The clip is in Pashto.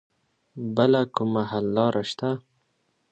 بله کومه حل لاره شته